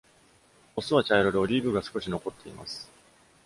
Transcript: オスは茶色で、オリーブが少し残っています。